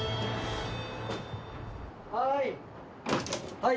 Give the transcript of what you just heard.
はい！